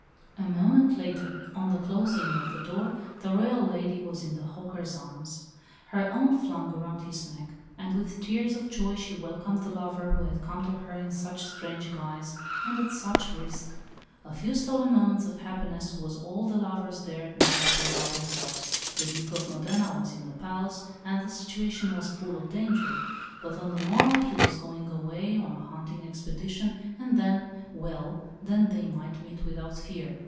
A moment later, on the closing of the door, the Royal lady was in the "hawker's" arms, her own flung around his neck, as with tears of joy she welcomed the lover who had come to her in such strange guise and at such risk. A few stolen moments of happiness was all the lovers dared now to allow themselves. The Duke of Modena was in the palace, and the situation was full of danger. But on the morrow he was going away on a hunting expedition, and then well, then they might meet without fear.